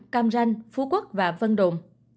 cam ranh phú quốc và vân độn